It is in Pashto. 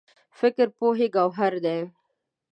فکر پوهې ګوهر دی.